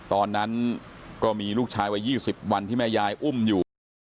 ตอนนั้นก็มีลูกชายวัย๒๐วันที่แม่ยายอุ้มอยู่